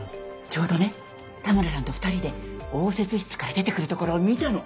ちょうどね田村さんと２人で応接室から出て来るところを見たの。